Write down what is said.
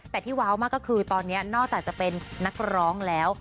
แต่ที่ว้าวมากก็คือตอนนี้นอกจากจะเป็นนักร้องแล้ว